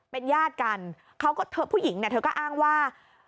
เป็นญาติกันเขาก็เธอผู้หญิงเนี่ยเธอก็อ้างว่า